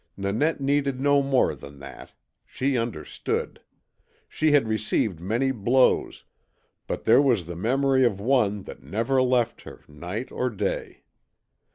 Nanette needed no more than that. She understood. She had received many blows, but there was the memory of one that never left her, night or day.